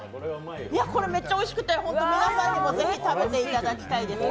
いや、これめっちゃおいしくて皆さんにも是非、食べてもらいたいですね。